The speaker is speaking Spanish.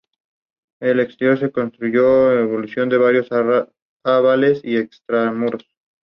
Con posterioridad obtuvo los títulos de administrador educacional, orientador educacional y consejero vocacional.